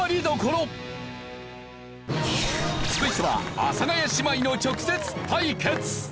続いては阿佐ヶ谷姉妹の直接対決！